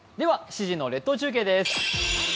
７時の列島中継です。